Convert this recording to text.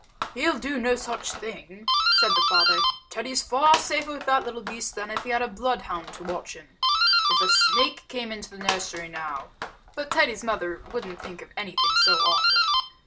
"He'll do no such thing," said the father. "Teddy's safer with that little beast than if he had a bloodhound to watch him. If a snake came into the nursery now " But Teddy's mother wouldn't think of anything so awful.